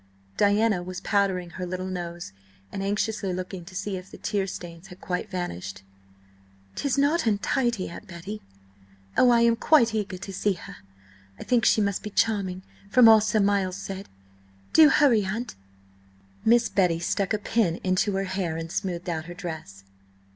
Diana was powdering her little nose, and anxiously looking to see if the tear stains had quite vanished. "'Tis not untidy, Aunt Betty. Oh, I am quite eager to see her–I think she must be charming, from all Sir Miles said. Do hurry, aunt!" Miss Betty stuck a pin into her hair and smoothed out her dress.